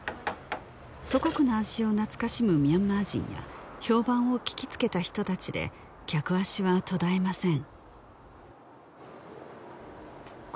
祖国の味を懐かしむミャンマー人や評判を聞きつけた人達で客足は途絶えません